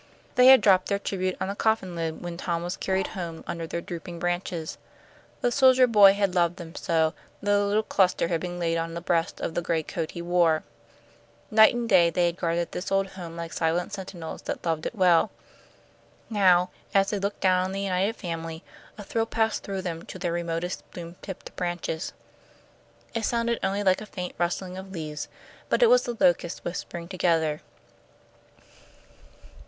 They had dropped their tribute on the coffin lid when Tom was carried home under their drooping branches. The soldier boy had loved them so, that a little cluster had been laid on the breast of the gray coat he wore. Night and day they had guarded this old home like silent sentinels that loved it well. Now, as they looked down on the united family, a thrill passed through them to their remotest bloom tipped branches. It sounded only like a faint rustling of leaves, but it was the locusts whispering together.